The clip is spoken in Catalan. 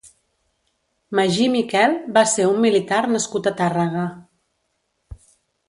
Magí Miquel va ser un militar nascut a Tàrrega.